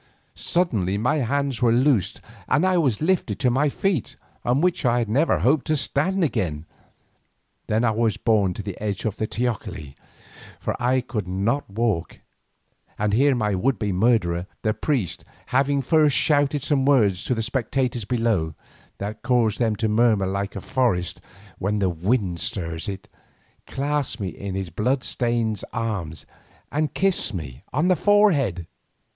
Suddenly my hands were loosed and I was lifted to my feet, on which I never hoped to stand again. Then I was borne to the edge of the teocalli, for I could not walk, and here my would be murderer, the priest, having first shouted some words to the spectators below, that caused them to murmur like a forest when the wind stirs it, clasped me in his blood stained arms and kissed me on the forehead.